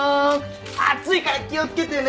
熱いから気をつけてね！